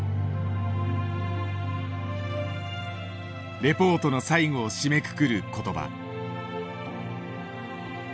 レポートの最後を締めくくる言葉。